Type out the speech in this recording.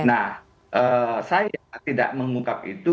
nah saya tidak mengungkap itu